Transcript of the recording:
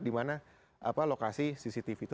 dimana lokasi cctv itu